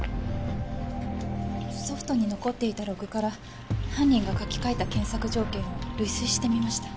ソフトに残っていたログから犯人が書き換えた検索条件を類推してみました。